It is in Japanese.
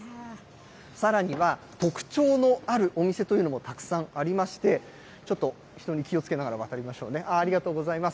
さらには、特徴のあるお店というのもたくさんありまして、ちょっと、人に気をつけながら渡りましょうね、ありがとうございます。